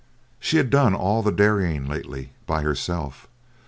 She had done all the dairying lately by herself.